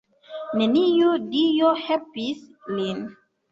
Neniu dio helpis lin.